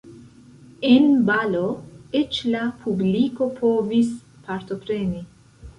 En balo eĉ la publiko povis partopreni.